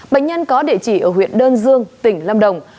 bệnh nhân có địa chỉ ở huyện đơn dương tỉnh lâm đồng